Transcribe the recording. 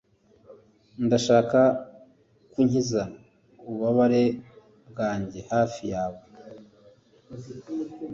Ndashaka kunkiza ububabare bwanjye hafi yawe